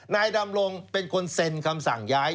นายดำรงเป็นคนเซ็นคำสั่งย้าย